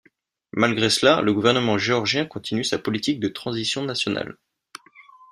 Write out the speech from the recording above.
Malgré cela, le gouvernement géorgien continue sa politique de transition nationale.